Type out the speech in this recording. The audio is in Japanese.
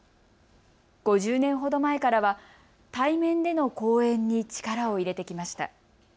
５０年ほど前からは対面での公演に力を入れてきました。